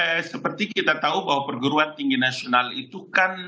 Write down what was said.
ya seperti kita tahu bahwa perguruan tinggi nasional itu kan